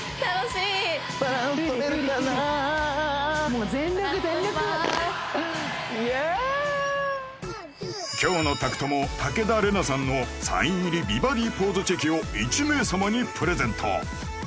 もう全力全力今日の宅トモ武田玲奈さんのサイン入り美バディポーズチェキを１名様にプレゼント